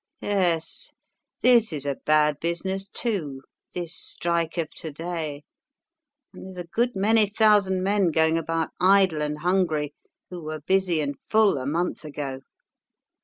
Yes, this is a bad business, too, this strike of to day, and there's a good many thousand men going about idle and hungry who were busy and full a month ago.